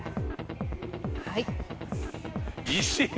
はい。